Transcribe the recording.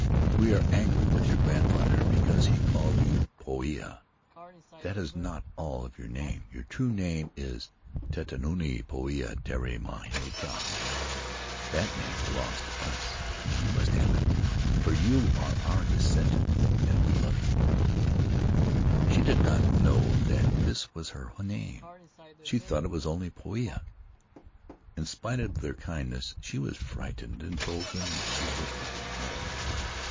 We are angry with your grandfather because he called you Poia. That is not all of your name — your true name is Tetuanui Poia Terai Mateatea. That name belongs to us, and you must have it, for you are our descendant and we love you.' Tahitian Tales "She did not know that this was her name; she thought it was only Poia. In spite of their kindness she was frightened and told them that she wished to go home.